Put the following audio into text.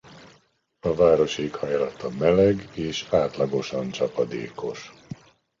A város éghajlata meleg és átlagosan csapadékos.